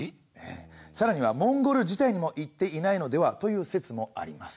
さらにはモンゴル自体にも行っていないのではという説もあります。